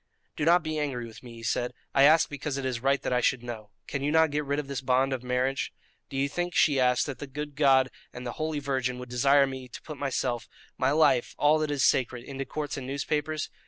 "Do not be angry with me," he said; "I ask because it is right that I should know. Can you not get rid of this bond of marriage?" "Do you think," she asked, "that the good God and the Holy Virgin would desire me to put myself my life all that is sacred into courts and newspapers?